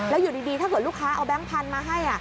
แล้วอยู่ดีถ้าเกิดลูกค้าเอาแก๊งพันธุ์มาให้